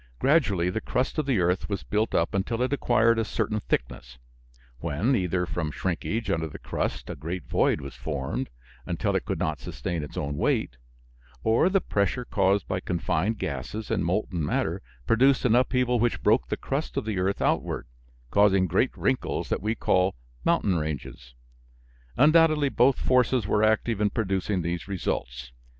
Gradually the crust of the earth was built up until it acquired a certain thickness; when, either from shrinkage under the crust a great void was formed until it could not sustain its own weight, or the pressure caused by confined gases and molten matter produced an upheaval which broke the crust of the earth outward, causing great wrinkles that we call mountain ranges. Undoubtedly both forces were active in producing these results.